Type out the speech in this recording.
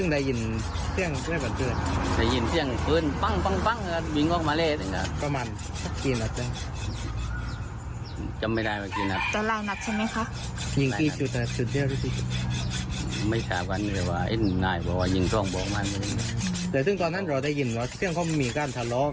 ไม่ถามกันเลยว่านายบอกว่ายินกล้องบอกมาแต่ซึ่งตอนนั้นเราได้ยินว่าเสียงเขามีการทะเลาะ